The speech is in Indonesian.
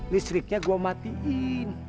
listriknya gue matiin